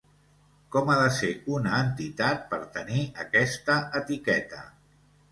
Com ha de ser una entitat per tenir aquesta etiqueta?